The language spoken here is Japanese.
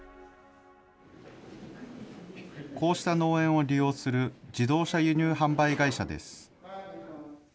こうした農園を利用する自動車輸入販売会社です。